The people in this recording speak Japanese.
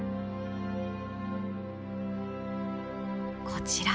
こちら。